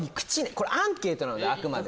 これアンケートなのであくまで。